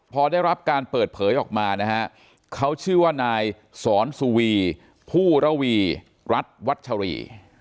พอได้รับการเปิดเผยออกมานะฮะเขาชื่อว่านายสอนสุวีผู้ระวีรัฐวัชรี